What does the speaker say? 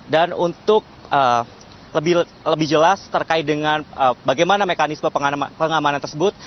dan untuk lebih jelas terkait dengan bagaimana mekanisme pengamanan tersebut